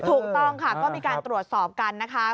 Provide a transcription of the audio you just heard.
ถูกต้องค่ะก็มีการตรวจสอบกันนะคะ